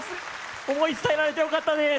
思い、伝えられてよかったです。